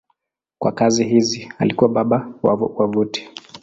Kwa kazi hizi alikuwa baba wa wavuti.